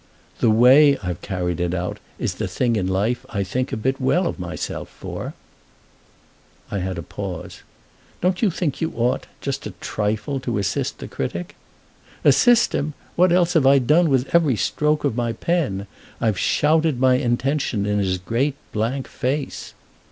"The way I've carried it out is the thing in life I think a bit well of myself for." I had a pause. "Don't you think you ought—just a trifle—to assist the critic?" "Assist him? What else have I done with every stroke of my pen? I've shouted my intention in his great blank face!"